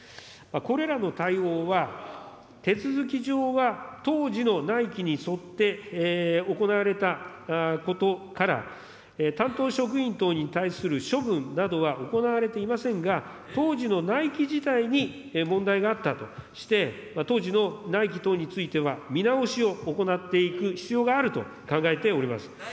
これらの対応は、手続き上は当時の内規に沿って行われたことから、担当職員等に対する処分などは行われていませんが、当時の内規自体に問題があったとして、当時の内規等については見直しを行っていく必要があると考えております。